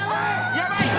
やばい！